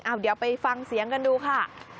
เดี๋ยวไปฟังเสียงกันดูค่ะ